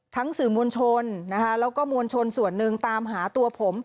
สื่อมวลชนนะคะแล้วก็มวลชนส่วนหนึ่งตามหาตัวผม